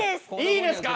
いいですか？